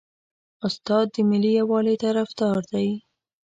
استاد د ملي یووالي طرفدار دی.